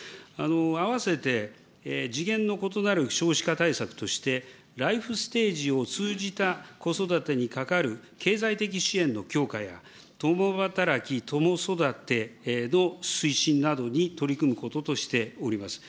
併せて次元の異なる少子化対策として、ライフステージを通じた子育てにかかる経済的支援の強化や、共働き、共育ての推進などに取り組むこととしております。